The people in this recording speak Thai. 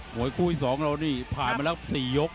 หมวยกู้ที่สองเรานี่ผ่านมาแล้วสี่ยก